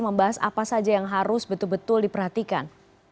membahas apa saja yang harus betul betul diperhatikan